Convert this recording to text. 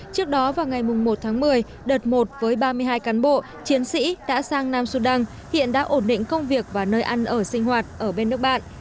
trước đó vào ngày một tháng một mươi đợt một với ba mươi hai cán bộ chiến sĩ đã sang nam sudan hiện đã ổn định công việc và nơi ăn ở sinh hoạt ở bên nước bạn